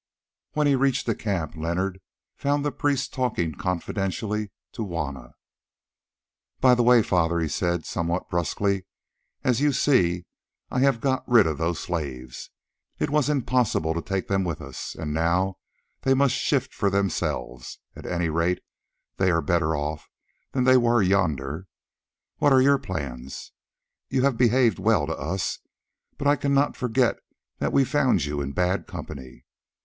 When he reached the camp, Leonard found the priest talking confidentially to Juanna. "By the way, Father," he said somewhat brusquely, "as you see, I have got rid of those slaves. It was impossible to take them with us, and now they must shift for themselves: at any rate, they are better off than they were yonder. What are your plans? You have behaved well to us, but I cannot forget that we found you in bad company.